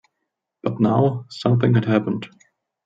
But now something had happened.